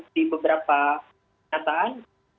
di beberapa pernyataan